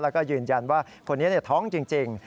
แล้วก็ยืนยันว่าคนนี้ท้องจริง